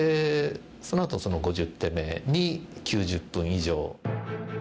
そのあとその５０手目に９０分以上。